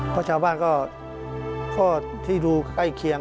ประชาบ้านก็ที่ดูใกล้เคียง